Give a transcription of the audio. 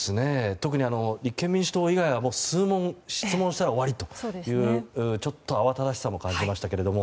特に立憲民主党以外は数問、質問したら終わりという、ちょっと慌ただしさも感じましたが。